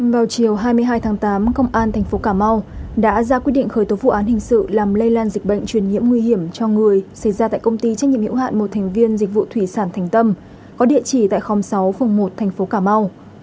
vào chiều hai mươi hai tháng tám công an thành phố cà mau đã ra quyết định khởi tố vụ án hình sự làm lây lan dịch bệnh truyền nhiễm nguy hiểm cho người xảy ra tại công ty trách nhiệm hiệu hạn một thành viên dịch vụ thủy sản thành tâm có địa chỉ tại khóm sáu phường một thành phố cà mau